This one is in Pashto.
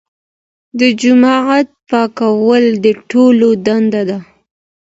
د جومات پاکوالی د ټولو دنده ده.